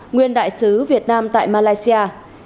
nguyên đại sứ việt nam tại malaysia